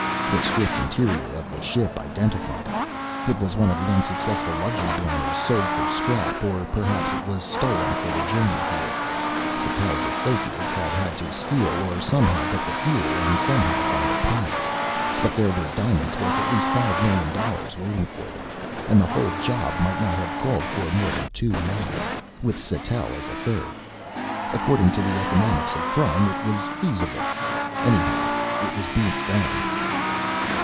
The stripped interior of the ship identified it. It was one of the unsuccessful luxury liners sold for scrap. Or perhaps it was stolen for the journey here. Sattell's associates had had to steal or somehow get the fuel, and somehow find a pilot. But there were diamonds worth at least five million dollars waiting for them, and the whole job might not have called for more than two men with Sattell as a third. According to the economics of crime, it was feasible. Anyhow it was being done.